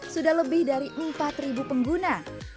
sudah lebih dari empat pengguna